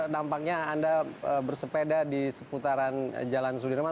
dampaknya anda bersepeda di seputaran jalan sudirman